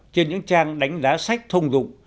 trên những trang đánh đá sách thông dụng